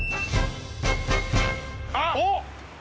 あっ！